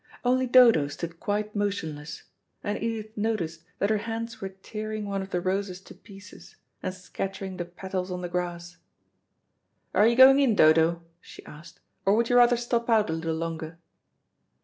Only Dodo stood quite motionless, and Edith noticed that her hands were tearing one of the roses to pieces, and scattering the petals on the grass. "Are you going in, Dodo?" she asked; "or would you rather stop out a little longer?"